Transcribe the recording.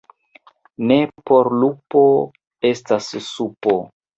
Ne por lupo estas supo.